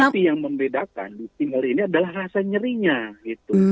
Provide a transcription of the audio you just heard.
tapi yang membedakan di single ini adalah rasa nyerinya gitu